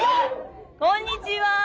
こんにちは。